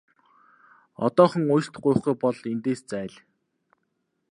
Одоохон уучлалт гуйхгүй бол эндээс зайл!